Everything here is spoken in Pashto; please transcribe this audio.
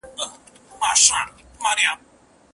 او بخښنه مي له خدایه څخه غواړم.